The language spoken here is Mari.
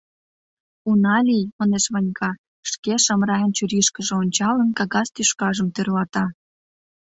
— Уна лий, — манеш Ванька, шке, Шамрайын чурийышкыже ончалын, кагаз тӱшкажым тӧрлата.